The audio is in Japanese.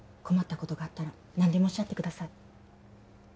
困ったことがあったら何でもおっしゃってください